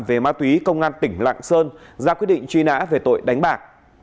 về ma túy công an tỉnh lạng sơn ra quyết định truy nã về tội đánh bạc